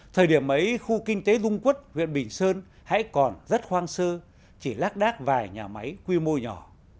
thời điểm ấy khu kinh tế dung quốc huyện bình sơn hãy còn rất hoang sơ chỉ lác đác vài nhà máy quy mô nhỏ